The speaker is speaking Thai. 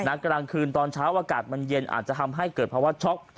กลางคืนตอนเช้าอากาศมันเย็นอาจจะทำให้เกิดภาวะช็อก